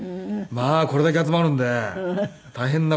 まあこれだけ集まるんで大変な事になるんですよね。